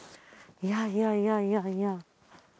いやいやいやいや。